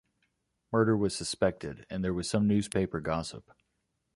Murder was suspected, and there was some newspaper gossip.